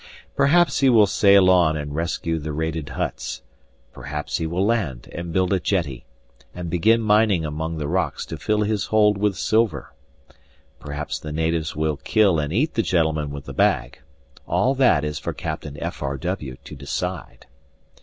Perhaps he will sail on and rescue the raided huts, perhaps he will land and build a jetty, and begin mining among the rocks to fill his hold with silver. Perhaps the natives will kill and eat the gentleman with the bag. All that is for Captain F. R. W. to decide.